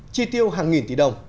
chi tiêu hàng nghìn tỷ đồng